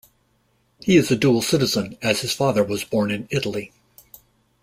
He is a dual citizen as his father was born in Italy.